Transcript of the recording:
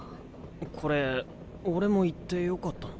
これ俺も行ってよかったの？